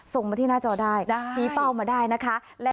ส่งมาที่หน้าจอได้ชี้เป้ามาได้นะคะ